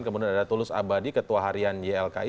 kemudian ada tulus abadi ketua harian ylki